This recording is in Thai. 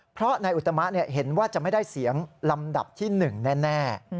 เพราะนายอุตมะเห็นว่าจะไม่ได้เสียงลำดับที่๑แน่